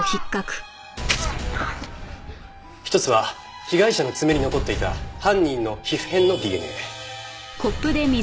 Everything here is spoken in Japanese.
１つは被害者の爪に残っていた犯人の皮膚片のＤＮＡ。